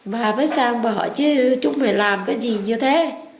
bà mới sang bà hỏi chứ chúng mày làm cái gì như thế